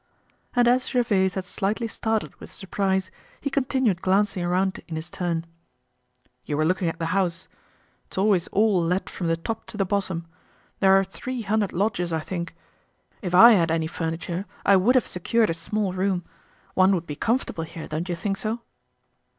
And as Gervaise had slightly started with surprise, he continued glancing around in his turn: "You were looking at the house. It's always all let from the top to the bottom. There are three hundred lodgers, I think. If I had any furniture, I would have secured a small room. One would be comfortable here, don't you think so?"